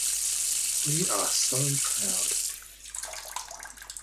We are so proud.